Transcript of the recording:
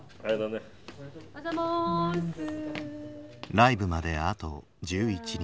ライブまであと１１日。